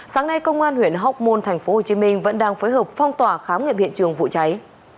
sáng nay công an huyện hóc môn tp hcm vẫn đang phối hợp phong tỏa khám nghiệm hiện trường vụ cháy